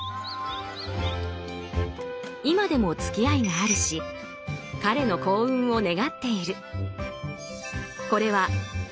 今でもつきあいがあるし彼の幸運を願っている。